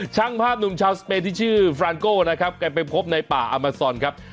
ช่างภาพหนุ่มชาวสเปนที่ชื่อฟรานโก้นะครับแกไปพบในป่าอามาซอนครับ